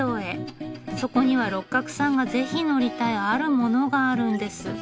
そこには六角さんがぜひ乗りたい「あるもの」があるんです。